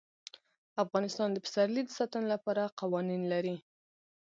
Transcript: افغانستان د پسرلی د ساتنې لپاره قوانین لري.